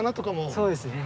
そうですね。